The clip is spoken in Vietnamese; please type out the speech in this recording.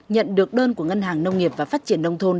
nhận được đơn của ngân hàng nông nghiệp và phát triển nông thôn